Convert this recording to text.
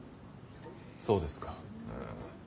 そうですか。